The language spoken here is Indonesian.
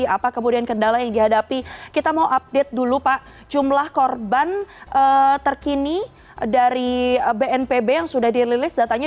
apa kemudian kendala yang dihadapi kita mau update dulu pak jumlah korban terkini dari bnpb yang sudah dirilis datanya dua ratus enam puluh delapan